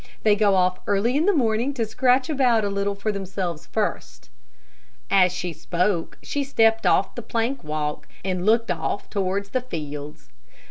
They go off early in the morning, to scratch about a little for themselves first." As she spoke she stepped off the plank walk, and looked off towards, the fields.